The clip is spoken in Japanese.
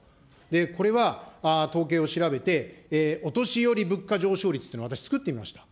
これは統計を調べて、お年寄り物価上昇率というのを私、作ってみました。